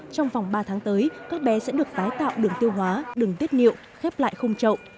trong vòng ba tháng tới các bé sẽ được tái tạo đường tiêu hóa đường tiết niệu khép lại khung trậu